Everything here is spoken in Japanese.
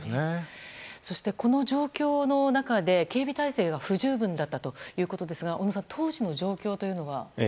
そしてこの状況の中で警備体制が不十分だったということですが小野さん当時の状況というのは？